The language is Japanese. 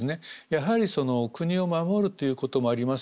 やはり国を守るということもあります